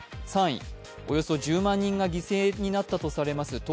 ３位、およそ１０万人が犠牲になったとされます